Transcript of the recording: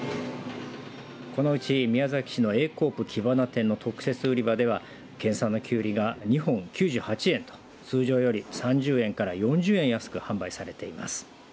このうち宮崎市のＡ・ＣＯＯＰ木花店の特設売り場では県産のきゅうりが２本９８円と通常より３０円から４０円安く販売されています。